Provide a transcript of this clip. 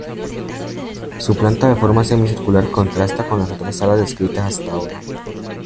Su planta de forma semicircular contrasta con las otras salas descritas hasta ahora.